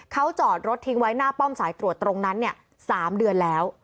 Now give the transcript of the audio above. เขาจอดรถทิ้งไว้หน้าป้อมสายตรวจตรงนั้น๓เดือนแล้ว